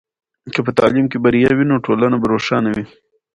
که په تعلیم کې بریا وي، نو ټولنه به روښانه وي.